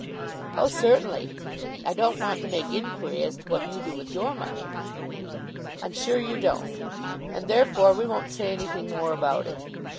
"Oh, certainly. I don't want to make inquiry as to what you do with your money." "I'm sure you don't, and, therefore, we won't say anything more about it.